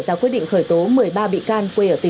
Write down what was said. dài hơn một mét